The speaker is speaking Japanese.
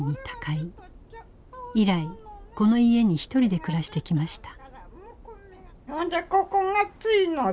以来この家にひとりで暮らしてきました。